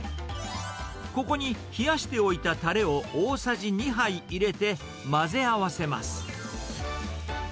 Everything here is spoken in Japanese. ここに冷やしておいたたれを大さじ２杯入れて、混ぜ合わせます。